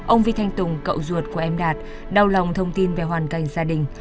ông vi thanh tùng cậu ruột của em đạt đau lòng thông tin về hoàn cảnh gia đình